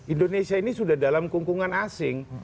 indonesia ini sudah dalam kungkungan asing